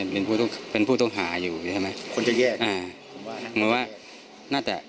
เป็นผู้ต้องเป็นผู้ต้องหาอยู่ใช่ไหมคนจะแยกอ่าผมว่าเหมือนว่าน่าจะ